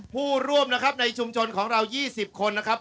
ผู้ร่วมนะครับในชุมชนของเรา๒๐คนนะครับ